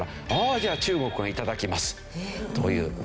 あじゃあ中国が頂きますという。